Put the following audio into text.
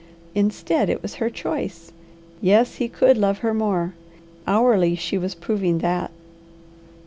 Instead it was her choice. Yes, he could love her more. Hourly she was proving that.